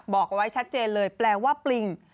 บอกเอาไว้ชัดเจนเลยแปลว่าปริง